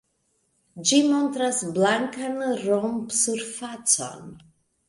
Ĝi montras blankan romp-surfacon.